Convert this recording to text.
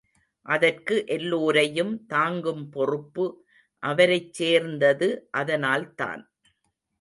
அதற்கு எல்லோரையும் தாங்கும் பொறுப்பு அவரைச் சேர்ந்தது அதனால் தான்.